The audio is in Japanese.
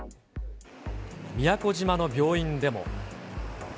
宮古島の病院でも。